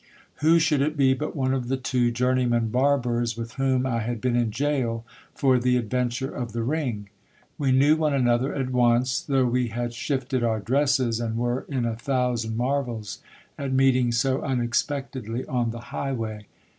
Who should it be but one of the two journeymen barbers with whom I had been in gaol for the adventure of the ring. We knew one another at once, though we had shifted our dresses, and were in a thousand marvels at meeting so unexpectedly on the highway.